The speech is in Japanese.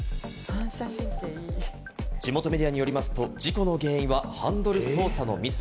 地元メディアによりますと、事故の原因はハンドル操作のミス。